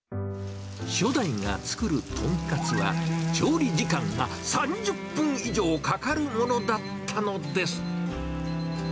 初代が作る豚カツは、調理時間が３０分以上かかるものだったのです。